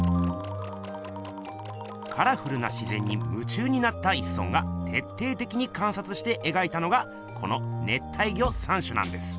カラフルな自ぜんにむ中になった一村がてっていてきにかんさつしてえがいたのがこの「熱帯魚三種」なんです。